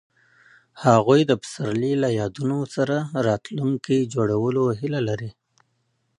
هغوی د پسرلی له یادونو سره راتلونکی جوړولو هیله لرله.